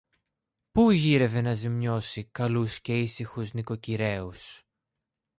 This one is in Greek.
που γύρευε να ζημιώσει καλούς και ήσυχους νοικοκυρέους;